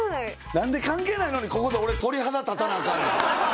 なんで関係ないのにここで俺鳥肌立たなあかんねん。